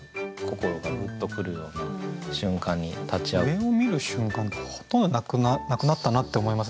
上を見る瞬間ってほとんどなくなったなって思います